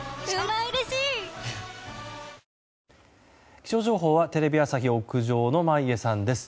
気象情報はテレビ朝日屋上の眞家さんです。